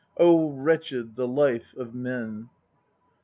Oh wretched, the life of men!